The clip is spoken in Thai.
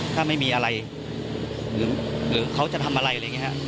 ถ้าไม่มีอะไรหรือเขาจะทำอะไรอะไรอย่างนี้ครับ